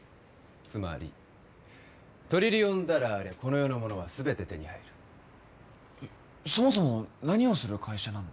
つまりトリリオンダラーありゃこの世のものは全て手に入るそもそも何をする会社なの？